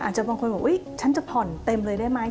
อาจจะบางคนบอกฉันจะผ่อนเต็มเลยได้ไหม